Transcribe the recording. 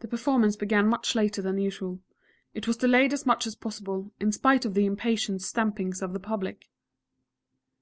The performance began much later than usual. It was delayed as much as possible, in spite of the impatient stampings of the public.